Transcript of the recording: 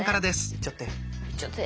いっちゃって。